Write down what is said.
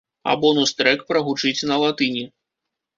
А бонус трэк прагучыць на латыні.